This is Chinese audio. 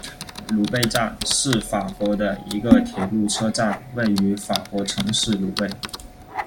鲁贝站，是法国的一个铁路车站，位于法国城市鲁贝。